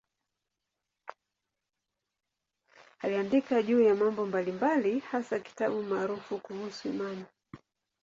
Aliandika juu ya mambo mbalimbali, hasa kitabu maarufu kuhusu imani.